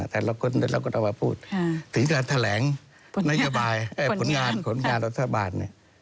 แต่ละคนเอามาพูดถึงการแถลงนัยกบายผลงานรัฐบาล